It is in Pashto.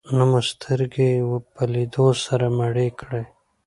نه مو سترګې په لیدو سره مړې کړې.